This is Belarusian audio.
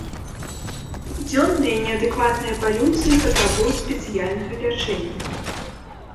Дзённыя неадэкватныя палюцыі патрабуюць спецыяльнага лячэння.